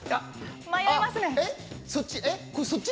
そっち？